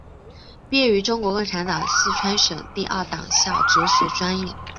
毕业于中国共产党四川省委第二党校哲学专业。